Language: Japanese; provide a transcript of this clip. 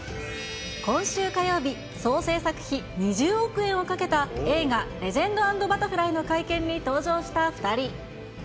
今週火曜日、総製作費２０億円をかけた映画、レジェンド＆バタフライの会見に登場した２人。